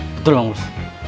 betul bang burs